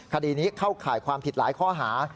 คดีนี้เข้าข่ายความผิดหลายข้อหา